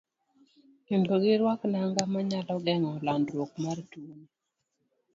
Kendo giruak nanga manyalo geng'o landruok mar tuoni.